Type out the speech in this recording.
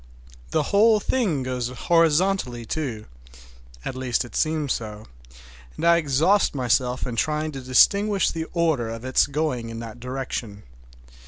The whole thing goes horizontally, too, at least it seems so, and I exhaust myself in trying to distinguish the order of its going in that direction.